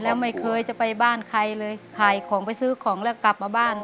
แล้วไม่เคยจะไปบ้านใครเลยขายของไปซื้อของแล้วกลับมาบ้าน